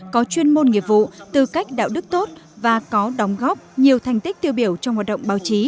có chuyên môn nghiệp vụ tư cách đạo đức tốt và có đóng góp nhiều thành tích tiêu biểu trong hoạt động báo chí